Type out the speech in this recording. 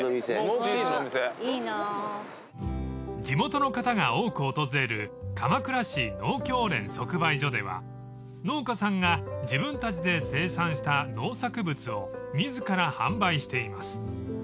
［地元の方が多く訪れる鎌倉市農協連即売所では農家さんが自分たちで生産した農作物を自ら販売しています］